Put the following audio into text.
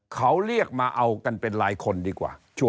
เขาเรียกมาเอากันเป็นหลายคนดีกว่า